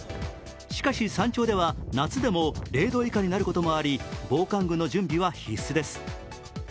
しかし、山頂では夏でも０度以下になることもあり防寒具の準備は必須です。